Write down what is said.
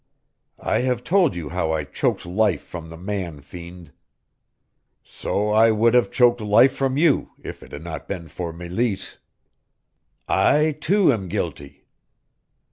I have told you how I choked life from the man fiend. So I would have choked life from you if it had not been for Meleese. I, too, am guilty.